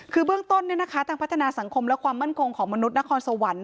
คือเบื้องต้นทางพัฒนาสังคมและความมั่นคงของมนุษยนครสวรรค์